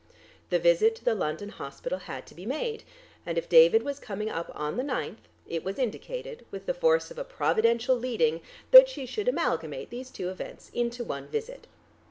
The visit to the London hospital had to be made, and if David was coming up on the ninth, it was indicated, with the force of a providential leading, that she should amalgamate these two events into one visit.